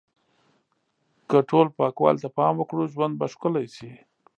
که ټول پاکوالی ته پام وکړو، ژوند به ښکلی شي.